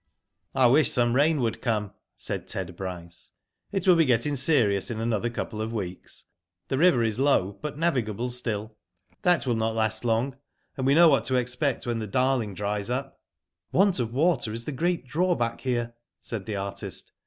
*^ I wish some rain would come," said Ted Bryce. " It will be getting serious in another couple of weeks. The liver is low, but navigable still. That will not last long, and we know what to expect when the Darling dries up." *' Want of water is the great drawback here," said the artist.